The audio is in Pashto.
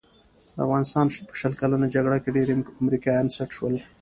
د افغانستان په شل کلنه جګړه کې ډېر امریکایان سټ شول.